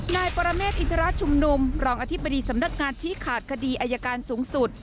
นายปรเมฆอินทรชุมนุมรองอธิบดีสำนักงานชี้ขาดคดีอายการสูงสุด